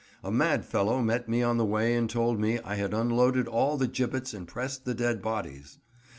A mad fellow met me on the way and told me I had unloaded all the gibbets and pressed the dead bodies.